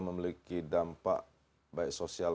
memiliki dampak baik sosial